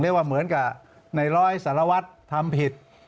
เรียกว่าเหมือนกับในร้อยสรวจทำผิด